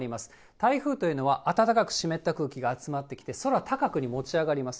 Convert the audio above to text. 台風というのは暖かく湿った空気が集まってきて、空高くに持ち上がります。